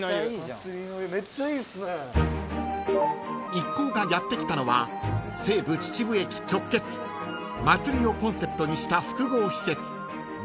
［一行がやって来たのは西武秩父駅直結祭りをコンセプトにした複合施設］